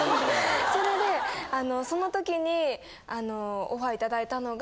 それでその時にあのオファーいただいたのが。